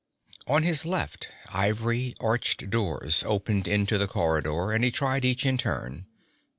On his left, ivory, arched doors opened into the corridor, and he tried each in turn.